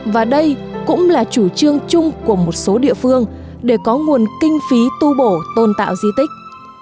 và đây cũng là chủ trương chung của một số địa phương để có nguồn kinh phí tu bổ tôn tạo di tích